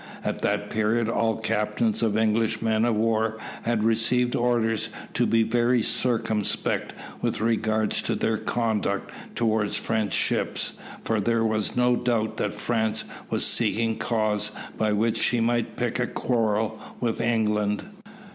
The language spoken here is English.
At that period all captains of English men of war had received orders to be very circumspect with regard to their conduct towards French ships, for there was no doubt that France was seeking cause by which she might pick a quarrel with England.